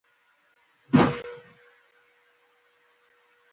خبریال راپور لیکي.